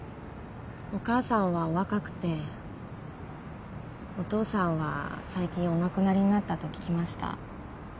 お母さんはお若くてお父さんは最近お亡くなりになったと聞きました。